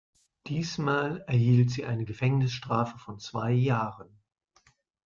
Diesmal erhielt sie eine Gefängnisstrafe von zwei Jahren.